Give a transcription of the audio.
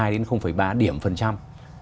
hai ba điểm phần trăm